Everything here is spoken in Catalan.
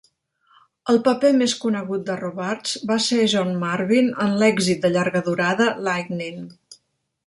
El paper més conegut de Robards va ser John Marvin en l' èxit de llarga durada "Lightnin".